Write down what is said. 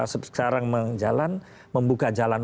sekarang menjalan membuka jalan